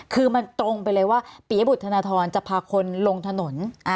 คือมันตรงไปเลยว่าปียบุตรธนทรจะพาคนลงถนน